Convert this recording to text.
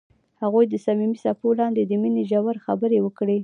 هغوی د صمیمي څپو لاندې د مینې ژورې خبرې وکړې.